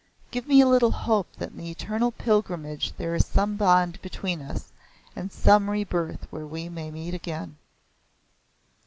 Give me a little hope that in the eternal pilgrimage there is some bond between us and some rebirth where we may met again."